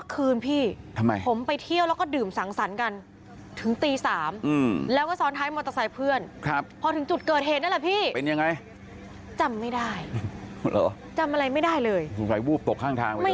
เกิดอะไรขึ้นหนะน้อง